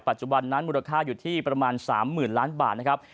ปัจจุบันนั้นมูลค่าอยู่ที่ประมาณ๓๐๐๐ล้านบาทนะครับ